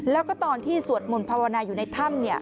แล้วก็ตอนที่สวดมนต์ภาวนาอยู่ในถ้ำ